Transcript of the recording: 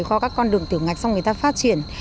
qua các con đường tử ngạch xong người ta phát triển